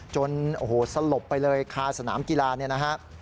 จนโอ้โหสลบไปเลยคาสนามกีฬาเนี่ยนะฮะ